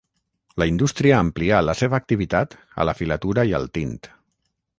La indústria amplià la seva activitat a la filatura i al tint.